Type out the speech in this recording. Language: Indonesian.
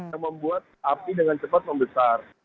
yang membuat api dengan cepat membesar